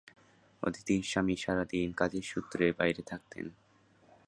অদিতির স্বামী সারাদিন কাজের সূত্রে বাইরে থাকতেন।